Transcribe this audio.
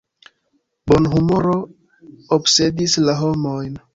Bonhumoro obsedis la homojn.